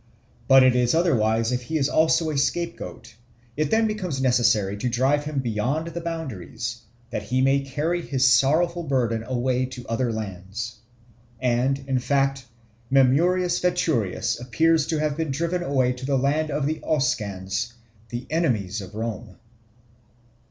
But it is otherwise if he is also a scapegoat; it then becomes necessary to drive him beyond the boundaries, that he may carry his sorrowful burden away to other lands. And, in fact, Mamurius Veturius appears to have been driven away to the land of the Oscans, the enemies of Rome.